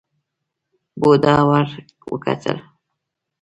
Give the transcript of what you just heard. بوډا ور وکتل.